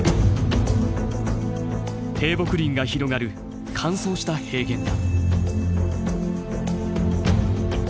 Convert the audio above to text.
低木林が広がる乾燥した平原だ。